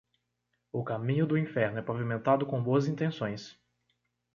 O caminho do inferno é pavimentado com boas intenções.